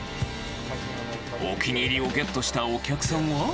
お気に入りをゲットしたお客さんは。